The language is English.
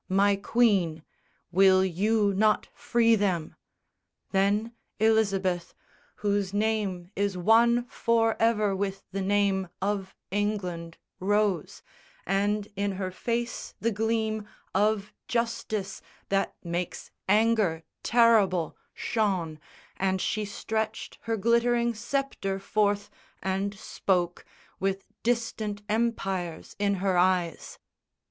"My Queen, Will you not free them?" Then Elizabeth, Whose name is one for ever with the name Of England, rose; and in her face the gleam Of justice that makes anger terrible Shone, and she stretched her glittering sceptre forth And spoke, with distant empires in her eyes.